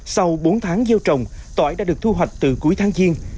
sau bốn tháng gieo trồng tỏi đã được thu hoạch từ cuối tháng giêng